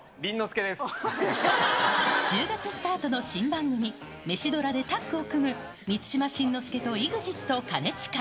１０月スタートの新番組、メシドラでタッグを組む、満島真之介とＥＸＩＴ・金近。